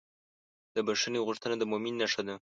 د بښنې غوښتنه د مؤمن نښه ده.